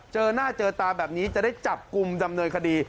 เจอหน้าเจอตาแบบนี้จะได้จับกลุ่มดำเนินคดี